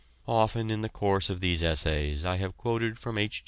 Often in the course of these essays I have quoted from H.